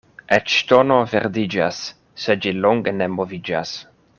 Eĉ ŝtono verdiĝas, se ĝi longe ne moviĝas.